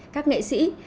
các nghệ sĩ